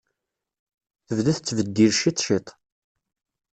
Tebda tettbeddil ciṭ ciṭ.